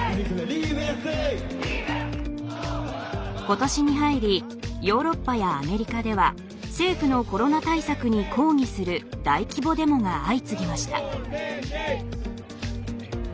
ことしに入りヨーロッパやアメリカでは政府のコロナ対策に抗議する大規模デモが相次ぎました。